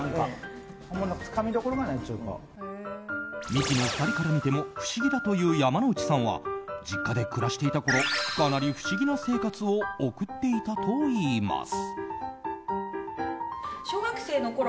ミキの２人から見ても不思議だという山之内さんは実家で暮らしていたころかなり不思議な生活を送っていたといいます。